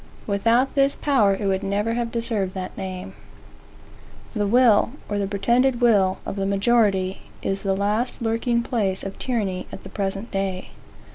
Without this power it would never have deserved that name. The will, or the pretended will, of the majority, is the last lurking place of tyranny at the present day.